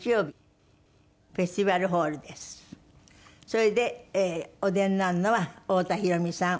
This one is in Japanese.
それでお出になるのは太田裕美さん